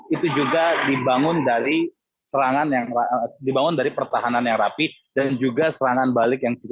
itu juga dibangun dari pertahanan yang rapih dan juga serangan balik yang sejujurnya